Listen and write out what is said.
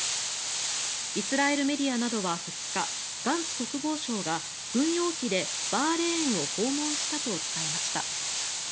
イスラエルメディアなどは２日ガンツ国防相が軍用機でバーレーンを訪問したと伝えました。